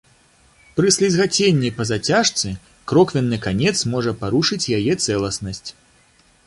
Пры слізгаценні па зацяжцы кроквенны канец можа парушыць яе цэласнасць.